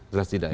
jelas tidak ya